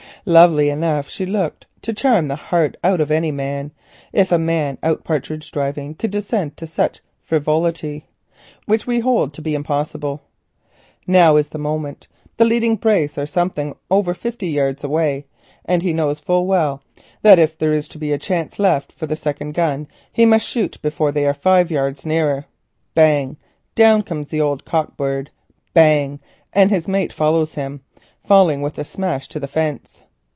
Lovely enough she looked to charm the heart of any man, if a man out partridge driving could descend to such frivolity, which we hold to be impossible. Now is the moment. The leading brace are something over fifty yards away, and he knows full well that if there is to be a chance left for the second gun he must shoot before they are five yards nearer. "Bang!" down comes the old cock bird; "bang!" and his mate follows him, falling with a smash into the fence.